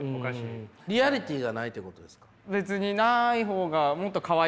リアリティーがないってことですか？